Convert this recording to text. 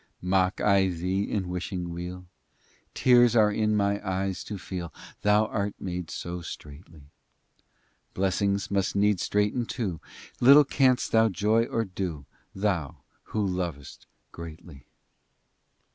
XIX Mock I thee, in wishing weal? Tears are in my eyes to feel Thou art made so straitly: Blessings need must straiten too, Little canst thou joy or do Thou who lovest greatly.